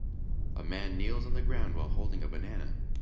A man kneels on the ground while holding a banana.